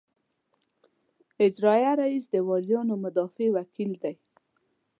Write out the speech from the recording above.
اجرائیه رییس د والیانو مدافع وکیل دی.